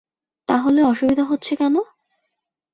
তা হলে অসুবিধা হচ্ছে কেন?